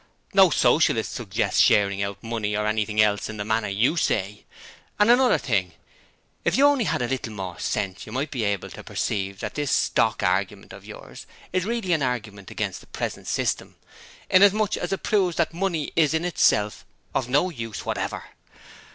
'No Socialist suggests "Sharing out" money or anything else in the manner you say. And another thing: if you only had a little more sense you might be able to perceive that this stock "argument" of yours is really an argument against the present system, inasmuch as it proves that Money is in itself of no use whatever.